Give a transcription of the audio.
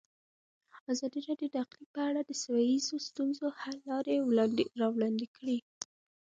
ازادي راډیو د اقلیم په اړه د سیمه ییزو ستونزو حل لارې راوړاندې کړې.